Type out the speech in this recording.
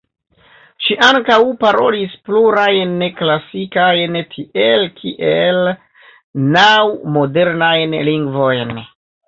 Ŝi ankaŭ parolis plurajn klasikajn tiel kiel naŭ modernajn lingvojn.